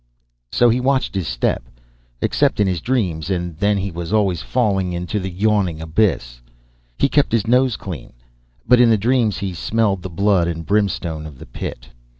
So he watched his step except in the dreams, and then he was always falling into the yawning abyss. He kept his nose clean but in the dreams he smelled the blood and brimstone of the pit.